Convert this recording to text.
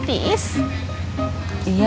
sibuk kembalioud kl mighter